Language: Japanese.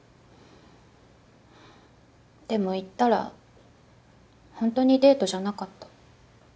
でも行ったら本当にデートじゃなかった。